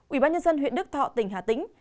ủy ban nhân dân huyện đức thọ tỉnh hà tĩnh